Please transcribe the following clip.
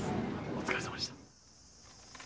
お疲れさまでした。